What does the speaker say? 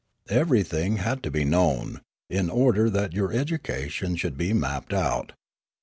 Everything had to be known, in order that your education should be mapped out.